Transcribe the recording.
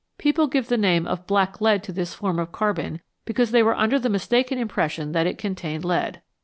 People gave the name of " black lead " to this form of carbon because they were under the mistaken impression that it contained lead.